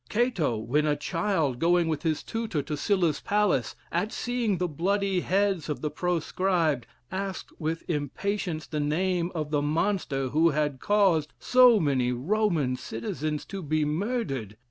Cato, when a child, going with his tutor to Sylla's palace, at seeing the bloody heads of the proscribed, asked with impatience the name of the monster who had caused so many Roman citizens to be murdered.